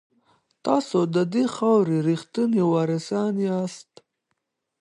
تاسو د دې خاورې ریښتیني وارثان یاست.